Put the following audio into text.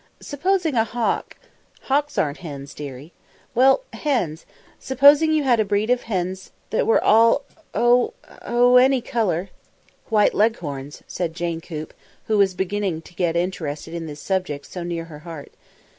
"Supposing a hawk " "Hawks aren't hens, dearie." "Well hens! Supposing you had a breed of hens that were all all oh! any colour " "White Leghorns," said Jane Coop, who was beginning to get interested in this subject so near her heart.